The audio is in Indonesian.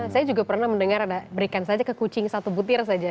saya juga pernah mendengar ada berikan saja ke kucing satu butir saja